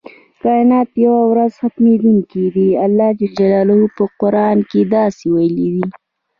کائنات یوه ورځ ختمیدونکي دي الله ج په قران کې داسې ویلي دی.